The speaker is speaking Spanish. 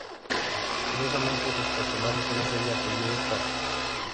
Curiosamente sus personajes suelen ser de apellido Kang.